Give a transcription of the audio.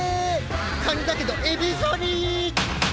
カニだけどエビぞり。